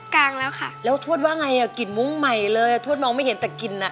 กลางแล้วค่ะแล้วทวดว่าไงอ่ะกลิ่นมุ้งใหม่เลยอ่ะทวดมองไม่เห็นแต่กลิ่นอ่ะ